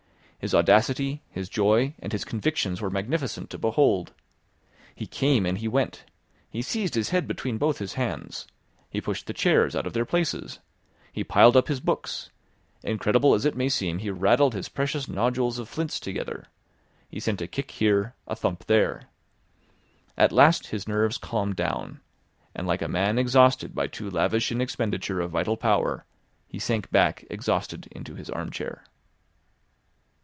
His audacity, his joy, and his convictions were magnificent to behold. He came and he went; he seized his head between both his hands; he pushed the chairs out of their places, he piled up his books; incredible as it may seem, he rattled his precious nodules of flints together; he sent a kick here, a thump there. At last his nerves calmed down, and like a man exhausted by too lavish an expenditure of vital power, he sank back exhausted into his armchair.